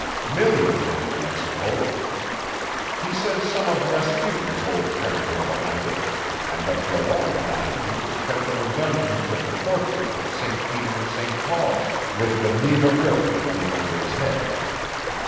Millions in it, I suppose. He says some of Rasputin's old friends were behind it, and that for a long time he was kept in the dungeons of the fortress of St. Peter and St. Paul, with the Neva River running over his head.